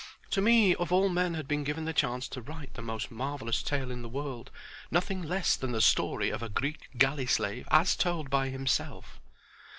To me of all men had been given the chance to write the most marvelous tale in the world, nothing less than the story of a Greek galley slave, as told by himself.